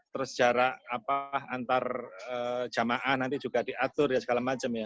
terus jarak antar jemaah nanti juga diatur ya segala macam ya